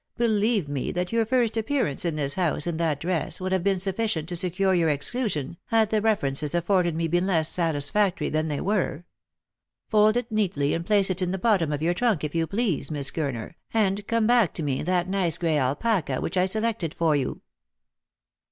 Believe me, that your first appearance in this house in that dress would have been sufficient to secure your exclusion, had the references afforded me been less satisfactory than they were. Fold it neatly and place it in the bottom of your trunk, if you please, Miss Gurner, and come back to me in that nice gray alpaca which I selected for you."